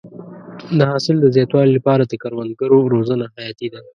د حاصل د زیاتوالي لپاره د کروندګرو روزنه حیاتي ده.